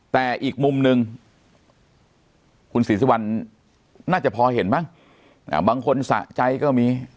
แต่อีกมุมหนึ่งคุณศรีสุวรรณน่าจะพอเห็นบ้างบางคนสะใจก็มี